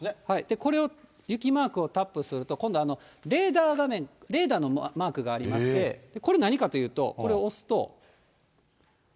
これを雪マークをタップすると、今度、レーダー画面、レーダーのマークがありまして、これ、何かというと、これを押すと。